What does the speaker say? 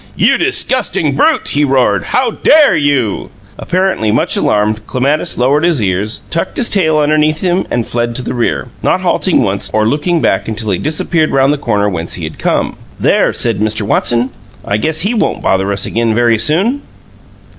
"You disgusting brute!" he roared. "How DARE you?" Apparently much alarmed, Clematis lowered his ears, tucked his tail underneath him, and fled to the rear, not halting once or looking back until he disappeared round the corner whence he had come. "There!" said Mr. Watson. "I guess HE won't bother us again very soon!"